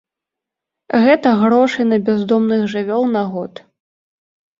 Гэта грошы на бяздомных жывёл на год.